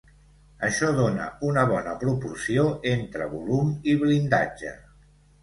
Això dóna una bona proporció entre volum i blindatge.